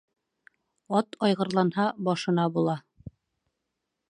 Ат айғырланһа, башына була.